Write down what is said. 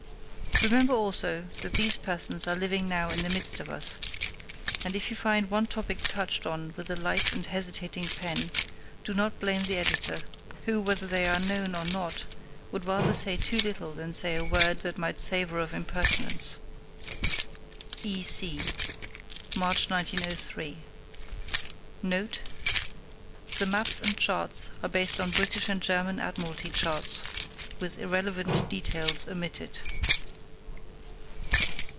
Remember, also that these persons are living now in the midst of us, and if you find one topic touched on with a light and hesitating pen, do not blame the Editor, who, whether they are known or not, would rather say too little than say a word that might savour of impertinence. E. C. March, 1903 NOTE The maps and charts are based on British and German Admiralty charts, with irrelevant details omitted.